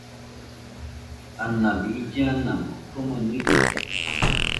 Anabi ille anamo, komɨnɨ ite.